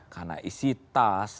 karena isi tas